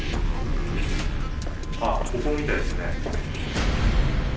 あっここみたいですね。